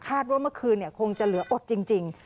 ว่าเมื่อคืนคงจะเหลืออดจริง